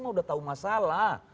semua udah tahu masalah